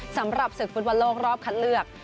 สำหรับศึกฟุตบอลโลกรอบคัดเลือก